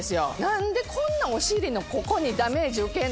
何でこんなお尻のここにダメージ受けんの？